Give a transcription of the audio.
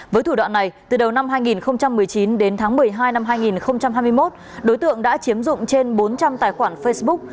với thủ đoạn này từ đầu năm hai nghìn một mươi chín đến tháng một mươi hai năm hai nghìn hai mươi một đối tượng đã chiếm dụng trên bốn trăm linh tài khoản facebook